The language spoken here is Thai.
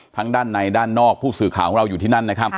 ทั้งด้านในด้านนอกส่วนผู้สืบข่าวของเราอยู่ที่นั้น